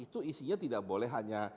itu isinya tidak boleh hanya